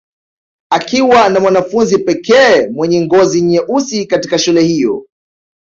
Akiwa ni mwanafunzi pekee mwenye ngozi nyeusi katika shule hiyo